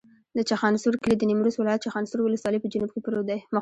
د چخانسور کلی د نیمروز ولایت، چخانسور ولسوالي په جنوب کې پروت دی.